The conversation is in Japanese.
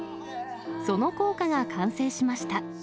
その校歌が完成しました。